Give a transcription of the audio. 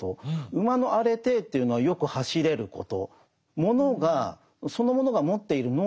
馬のアレテーというのはよく走れること。